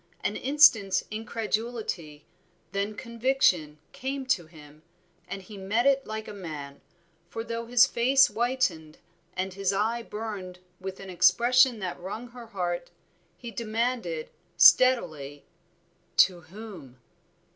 An instant's incredulity, then conviction came to him, and he met it like a man, for though his face whitened and his eye burned with an expression that wrung her heart, he demanded steadily, "To whom?"